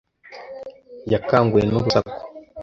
Yakanguwe n urusaku.